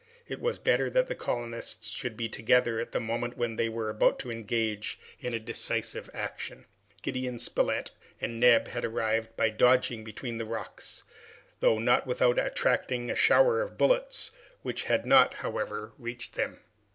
It was better that the colonists should be together at the moment when they were about to engage in a decisive action. Gideon Spilett and Neb had arrived by dodging behind the rocks, though not without attracting a shower of bullets, which had not, however, reached them.